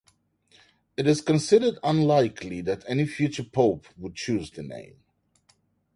It is considered unlikely that any future pope would choose the name.